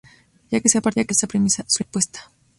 Ya que se ha partido de esa premisa supuesta.